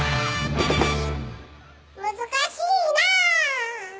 難しいなぁ。